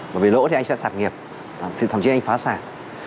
bởi vì lỗ thì anh sẽ sạt nghiệp thậm chí anh phá sản